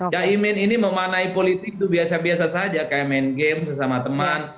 cak imin ini memanai politik itu biasa biasa saja kayak main game bersama teman